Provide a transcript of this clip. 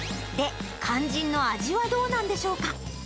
で、肝心の味はどうなんでしょうか。